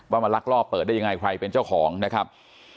มาลักลอบเปิดได้ยังไงใครเป็นเจ้าของนะครับ